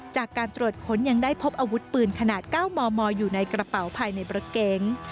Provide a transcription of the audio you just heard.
จากการตรวจค้นยังได้พบอาวุธปืนขนาด๙มมอยู่ในกระเป๋าภายในรถเก๋ง